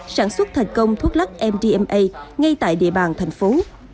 sản xuất thành công thuốc lắc mdma ngay tại địa bàn thành phố